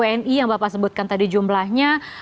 apakah dengan wni yang bapak sebutkan tadi jumlahnya